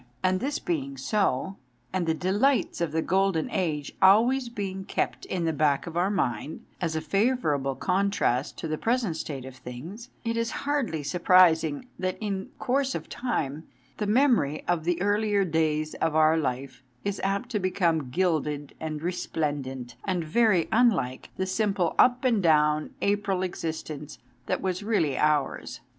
And this being so, and the delights of the Golden Age always being kept in the back of our mind, as a favourable contrast to the present state of things, it is hardly sur 16 225 226 THE DAY BEFORE YESTERDAY prising that in course of time, the memory of the earlier days of our life is apt to become gilded and resplendent, and very unlike the simple, up and down April exist ence that was really ours.